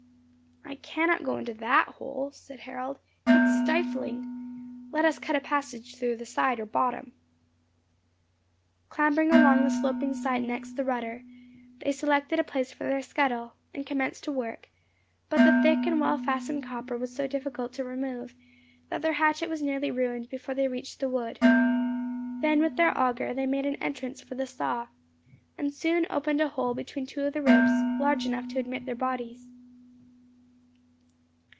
"I cannot go into that hole," said Harold, "it is stifling. Let us cut a passage through the side or bottom." Clambering along the sloping side next the rudder, they selected a place for their scuttle, and commenced to work, but the thick and well fastened copper was so difficult to remove, that their hatchet was nearly ruined before they reached the wood. Then, with their auger, they made an entrance for the saw, and soon opened a hole between two of the ribs, large enough to admit their bodies.